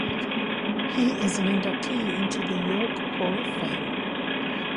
He is an inductee into the York Hall Of Fame.